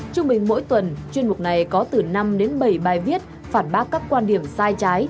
trung bình mỗi tuần chuyên mục này có từ năm đến bảy bài viết phản bác các quan điểm sai trái